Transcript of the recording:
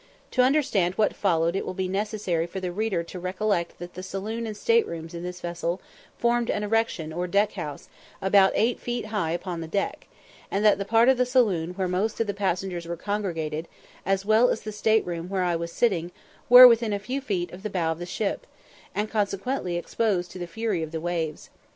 To understand what followed it will be necessary for the reader to recollect that the saloon and state rooms in this vessel formed an erection or deck house about eight feet high upon the deck, and that the part of the saloon where most of the passengers were congregated, as well as the state room where I was sitting, were within a few feet of the bow of the ship, and consequently exposed to the fury of the waves.